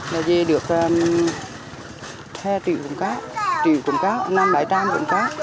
là về được he trịu mùa cá trịu mùa cá nam đại trang mùa cá